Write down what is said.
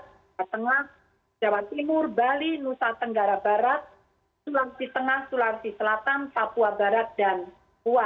jawa tengah jawa timur bali nusa tenggara barat sulawesi tengah sulawesi selatan papua barat dan papua